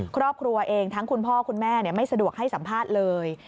ครอบครัวเองทั้งคุณพ่อคุณแม่ไม่สะดวกให้สัมภาษณ์เลย